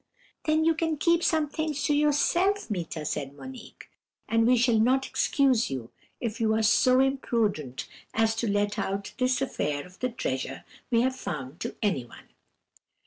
"'Then you can keep some things to yourself, Meeta,' said Monique; 'and we shall not excuse you if you are so imprudent as to let out this affair of the treasure we have found to anyone.'